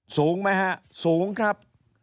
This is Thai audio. สูงไหมฮะสูงครับ